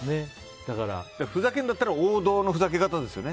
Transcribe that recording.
ふざけるんだったら王道のふざけ方ですよね。